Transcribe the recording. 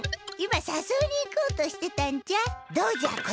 今さそいに行こうとしてたんじゃ。